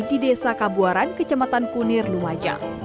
di desa kabuaran kecematan kunir lumaja